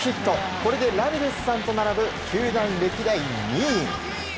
これでラミレスさんと並ぶ球団歴代２位。